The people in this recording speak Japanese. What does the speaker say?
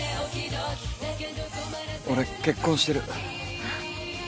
俺結婚してる。